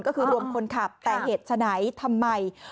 ก็คือรวมคนขับแต่เหตุฉะไหนทำไม